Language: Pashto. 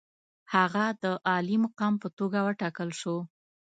هغه د عالي مقام په توګه وټاکل شو.